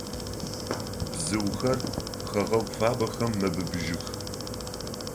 Бзыухэр хэгъэгу фабэхэм мэбыбыжьых.